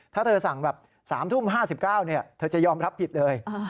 ถ้าเธอสั่งแบบ๓ทุ่ม๕๙เธอจะยอมรับผิดเลย